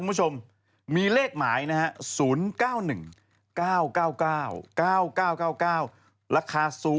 ผมก็ไม่รู้เหมือนกัน